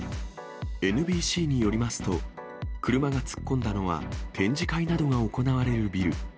ＮＢＣによりますと、車が突っ込んだのは展示会などが行われるビル。